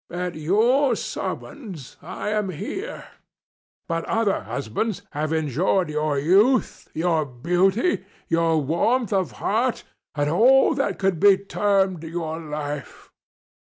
At your summons I am here. But other husbands have enjoyed your youth, your beauty, your warmth of heart and all that could be termed your life.